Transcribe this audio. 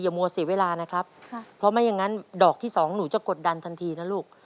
มัวเสียเวลานะครับเพราะไม่อย่างนั้นดอกที่สองหนูจะกดดันทันทีนะลูก